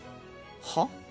はっ？